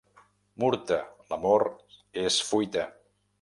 Murta, l'amor és fuita.